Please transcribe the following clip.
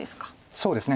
そうですね。